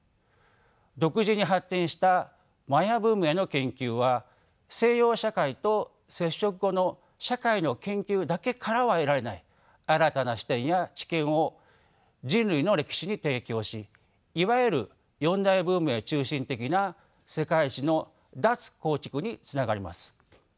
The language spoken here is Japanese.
独自に発展したマヤ文明の研究は西洋社会と接触後の社会の研究だけからは得られない新たな視点や知見を人類の歴史に提供しいわゆる四大文明中心的な世界史の脱構築につながります。